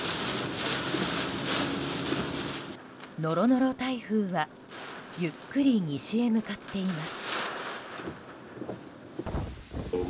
ノロノロ台風はゆっくり西へ向かっています。